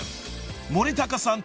［森高さん